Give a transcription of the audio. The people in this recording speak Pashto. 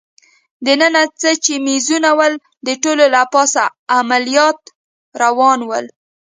دننه څه چي مېزونه ول، د ټولو له پاسه عملیات روان ول.